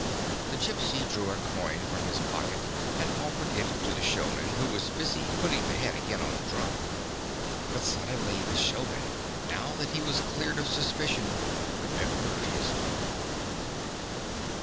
The Gypsy drew a coin from his pocket and offered it to the showman, who was busy putting the heads again on the drum. But suddenly the showman, now that he was cleared of suspicion, remembered his dog.